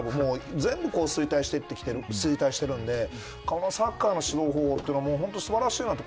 全部衰退してるんでこのサッカーの指導法というのは素晴らしいなと。